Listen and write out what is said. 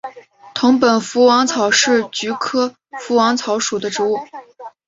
藤本福王草是菊科福王草属的植物。